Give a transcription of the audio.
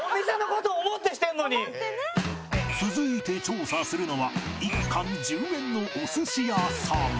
続いて調査するのは１貫１０円のお寿司屋さん。